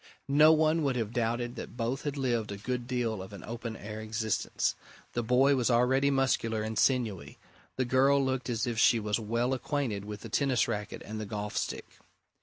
No one would have doubted that both had lived a good deal of an open air existence: the boy was already muscular and sinewy: the girl looked as if she was well acquainted with the tennis racket and the golf stick.